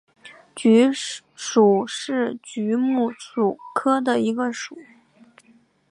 菊属是菊目菊科的一个属。